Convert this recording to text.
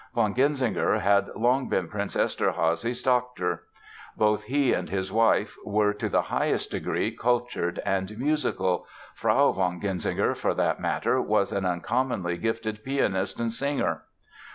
Von Genzinger had long been Prince Eszterházy's doctor. Both he and his wife were to the highest degree cultured and musical—Frau von Genzinger, for that matter, was an uncommonly gifted pianist and singer.